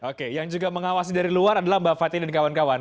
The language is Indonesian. oke yang juga mengawasi dari luar adalah mbak fatih dan kawan kawan